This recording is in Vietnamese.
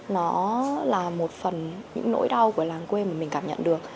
nó là một phần những nỗi đau của làng quê mà mình cảm nhận được